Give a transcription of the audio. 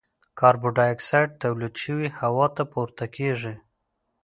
کاربن ډای اکسایډ تولید شوی هوا ته پورته کیږي.